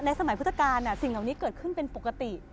สมัยพุทธกาลสิ่งเหล่านี้เกิดขึ้นเป็นปกติ